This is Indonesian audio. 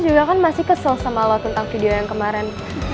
juga kan masih kesel sama lo tentang video yang kemarin